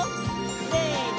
せの！